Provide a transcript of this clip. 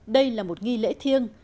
đây là một nghi lễ thiêng